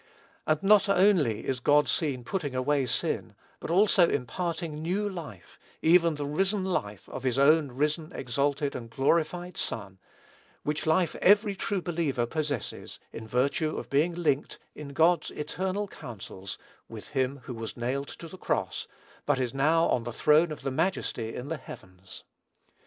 And not only is God seen putting away sin, but also imparting a new life, even the risen life of his own risen, exalted, and glorified Son, which life every true believer possesses, in virtue of being linked, in God's eternal counsels, with him who was nailed to the cross, but is now on the throne of the Majesty in the heavens.